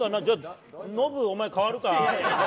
ノブ、お前代わるか？